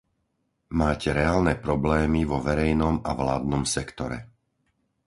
Máte reálne problémy vo verejnom a vládnom sektore.